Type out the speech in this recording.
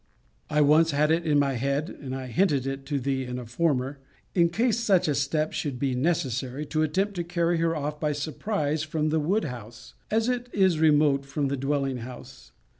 I once had it in my head (and I hinted it to thee* in a former) in case such a step should be necessary, to attempt to carry her off by surprise from the wood house; as it is remote from the dwelling house.